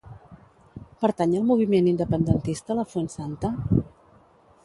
Pertany al moviment independentista la Fuensanta?